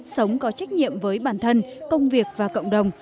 sống có trách nhiệm với bản thân công việc và cộng đồng